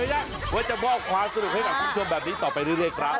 ยังว่าจะมอบความสนุกให้กับคุณผู้ชมแบบนี้ต่อไปเรื่อยครับ